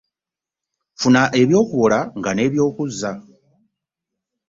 Funa eby'okuwola nga n'ebyokuzza .